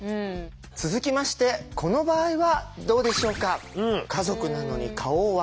続きましてこの場合はどうでしょうか。